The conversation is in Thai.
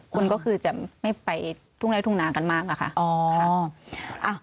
คนก็คือจะไม่ไปทุ่งไล่ทุ่งนากันมากอะค่ะ